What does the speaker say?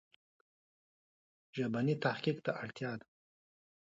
ژبني تحقیق ته اړتیا ده.